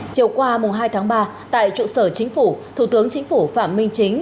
chiều qua hai tháng ba tại trụ sở chính phủ thủ tướng chính phủ phạm minh chính